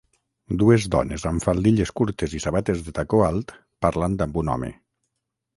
Dues dones amb faldilles curtes i sabates de tacó alt parlant amb un home.